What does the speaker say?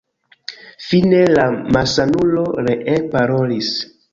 Fine la malsanulo ree parolis: